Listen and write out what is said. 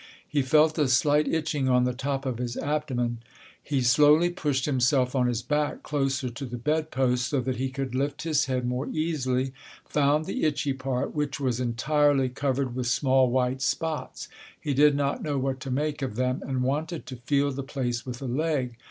He felt a slight itching on the top of his abdomen. He slowly pushed himself on his back closer to the bed post so that he could lift his head more easily, found the itchy part, which was entirely covered with small white spots—he did not know what to make of them and wanted to feel the place with a leg.